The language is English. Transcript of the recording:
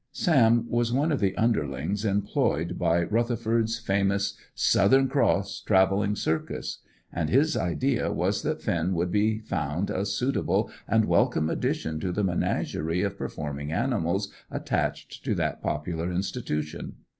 Sam was one of the underlings employed by Rutherford's famous Southern Cross travelling circus; and his idea was that Finn would be found a suitable and welcome addition to the menagerie of performing animals attached to that popular institution.